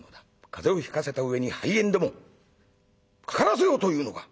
風邪をひかせた上に肺炎でもかからせようというのか！